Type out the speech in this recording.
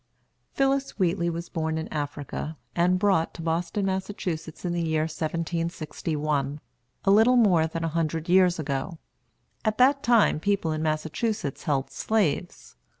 Phillis Wheatley was born in Africa, and brought to Boston, Massachusetts, in the year 1761, a little more than a hundred years ago. At that time the people in Massachusetts held slaves.